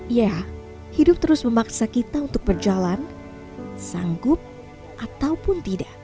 ya hidup terus memaksa kita untuk berjalan sanggup ataupun tidak